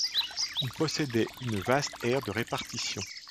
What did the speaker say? Il possédait une vaste aire de répartition.